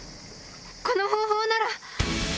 この方法なら！